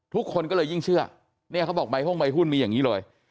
ทุกคนก็เลยยิ่งเชื่อเนี่ยเขาบอกใบห้องใบหุ้นมีอย่างนี้เลย